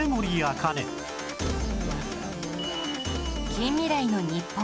近未来の日本